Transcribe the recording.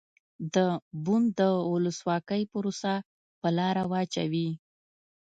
د بن د ولسواکۍ پروسه په لاره واچوي.